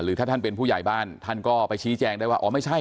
ท่านเป็นผู้ใหญ่บ้านท่านก็ไปชี้แจงได้ว่าอ๋อไม่ใช่